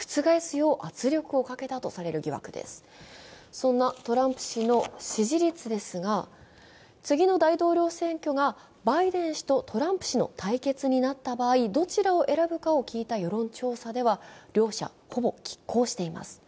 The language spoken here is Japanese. そんなトランプ氏の支持率ですが次の大統領選挙がバイデン氏とトランプ氏の対決になった場合、どちらを選ぶかを聞いた世論調査では、両者、ほぼきっ抗しています。